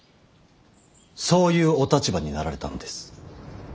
そういうお立場になられたのです。